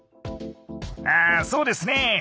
あそうですね